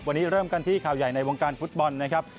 วันนี้เริ่มกันที่ข่าวใหญ่ในวงการฟุตบอลนะครับ